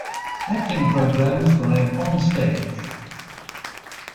Acting programs by OnStage.